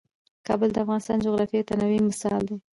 کابل د افغانستان د جغرافیوي تنوع مثال دی.